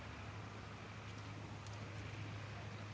เมื่อเวลาเมื่อเวลาเมื่อเวลา